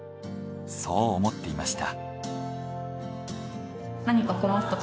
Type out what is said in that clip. そう思っていました。